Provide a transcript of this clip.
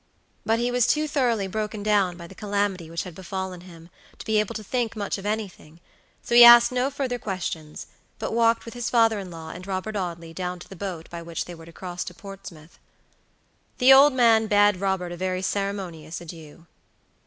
But he was too thoroughly broken down by the calamity which had befallen him to be able to think much of anything, so he asked no further questions, but walked with his father in law and Robert Audley down to the boat by which they were to cross to Portsmouth. The old man bade Robert a very ceremonious adieu.